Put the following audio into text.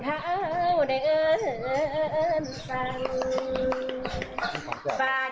ให้มาอยู่